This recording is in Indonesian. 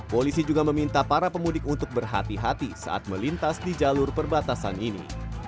polisi juga meminta para pemudik untuk berhati hati saat melintas di jalur perbatasan ini